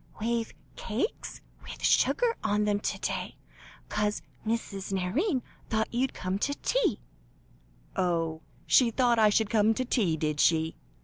"We've cakes with sugar on them to day, 'cos Mrs. Nairne thought you'd come to tea." "Oh! she thought I should come to tea, did she?"